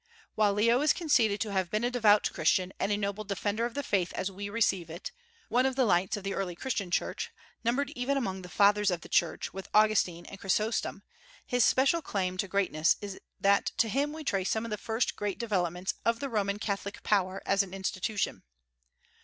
While Leo is conceded to have been a devout Christian and a noble defender of the faith as we receive it, one of the lights of the early Christian Church, numbered even among the Fathers of the Church, with Augustine and Chrysostom, his special claim to greatness is that to him we trace some of the first great developments of the Roman Catholic power as an institution.